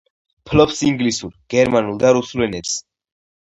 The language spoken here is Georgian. ფლობს ინგლისურ, გერმანულ და რუსულ ენებს.